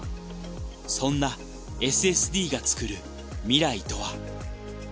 そんなＳＳＤがつくる未来とは？